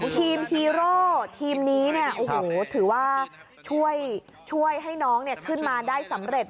ทีมฮีโร่ทีมนี้ถือว่าช่วยให้น้องขึ้นมาได้สำเร็จ